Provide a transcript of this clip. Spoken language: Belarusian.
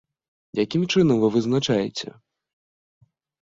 Якім чынам вы вызначаеце?